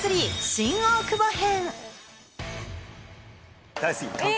新大久保編。